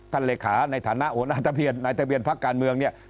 ท่านเลขาในฐานะโอนาทะเบียนนายทะเบียนภาคการเมืองเนี่ย